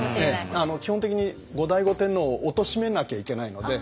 基本的に後醍醐天皇をおとしめなきゃいけないので。